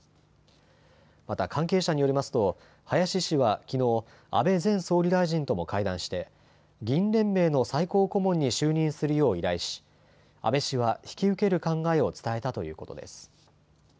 また関係者によりますと林氏はきのう安倍前総理大臣とも会談して議員連盟の最高顧問に就任するよう依頼し安倍氏は引き受ける考えを伝えたということです。